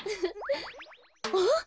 あっ？